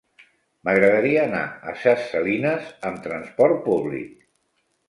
M'agradaria anar a Ses Salines amb transport públic.